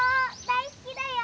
大好きだよ！」。